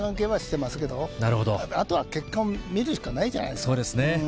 あとは結果を見るしかないじゃないですか。